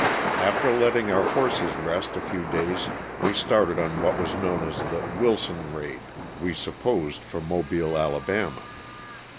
After letting our horses rest a few days we started on what was known as the "Wilson raid," we supposed for Mobile, Ala.